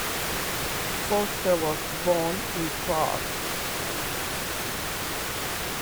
Foerster was born in Prague.